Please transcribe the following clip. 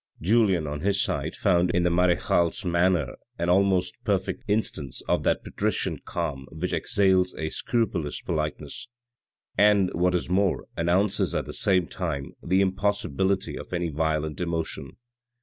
Julien, on his side, found in the marechale's manners an almost perfect instance of that patrician calm which exhales a scrupulous politeness ; and, what is more, announces at the same time the impossibility of any violent emotion.